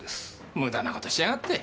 無駄な事しやがって。